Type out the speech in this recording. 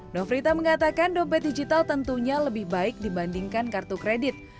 nofrita mengatakan dompet digital tentunya lebih baik dibandingkan kartu kredit